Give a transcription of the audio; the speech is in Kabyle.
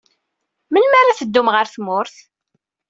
Melmi ara teddum ɣer tmurt?